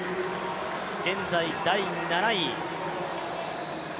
現在第７位。